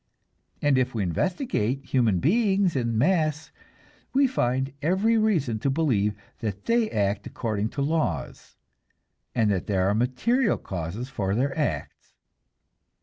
And if we investigate human beings in the mass, we find every reason to believe that they act according to laws, and that there are material causes for their acts.